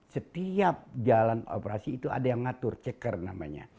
setiap jalan operasi itu ada yang ngatur checker namanya